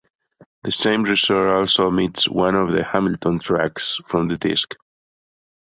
The same reissue also omits one of the Hamilton tracks from the disc.